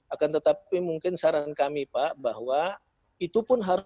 akan tetapi mungkin saran kami pak bahwa